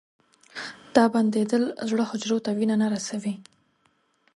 دا بندېدل زړه حجرو ته وینه نه رسوي.